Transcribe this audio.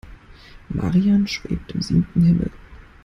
Marian schwebt im siebten Himmel.